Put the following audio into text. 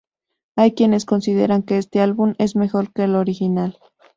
Hay quienes consideran que este álbum es mejor que el original.